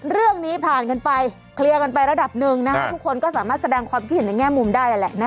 เรื่องนี้ผ่านกันไปเคลียร์กันไประดับหนึ่งนะคะทุกคนก็สามารถแสดงความคิดเห็นในแง่มุมได้นั่นแหละนะ